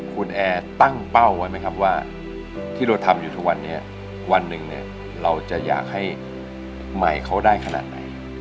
คุณแอร์ตั้งเป้าไว้ไหมครับว่าที่เราทำอยู่ทุกวันนี้วันหนึ่งเนี่ยเราจะอยากให้ใหม่เขาได้ขนาดไหน